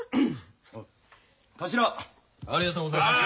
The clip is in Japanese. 頭ありがとうございました。